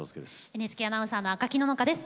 ＮＨＫアナウンサーの赤木野々花です。